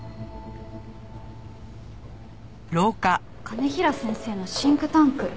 兼平先生のシンクタンク？